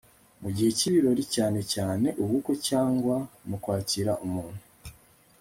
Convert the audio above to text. mu gihe k'ibirori cyanecyane ubukwe cyangwa mu kwakira umuntu